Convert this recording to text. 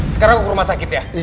sekarang aku ke rumah sakit ya